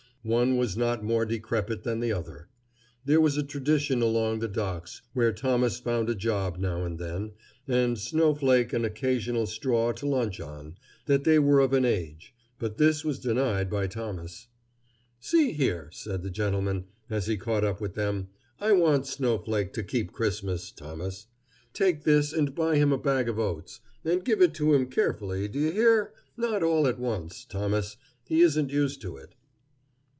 One was not more decrepit than the other. There was a tradition along the docks, where Thomas found a job now and then, and Snowflake an occasional straw to lunch on, that they were of an age, but this was denied by Thomas. "See here," said the gentleman, as he caught up with them; "I want Snowflake to keep Christmas, Thomas. Take this and buy him a bag of oats. And give it to him carefully, do you hear? not all at once, Thomas. He isn't used to it."